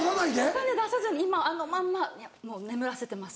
お金出さずに今あのまんま眠らせてます。